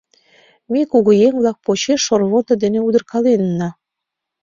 Ме кугыеҥ-влак почеш шорвондо дене удыркаленна.